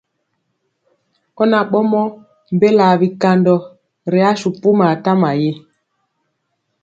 Ɔ na ɓɔmɔ mbelaa bikandɔ ri asu pumaa tama yi.